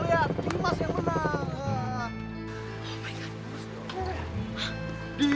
dimas yang menang